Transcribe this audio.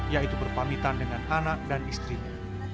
ia itu berpamitan dengan anak dan istrinya